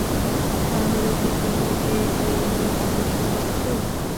তাহলে কি তুমি এই বিয়ে নিয়ে অগ্রসর হচ্ছ?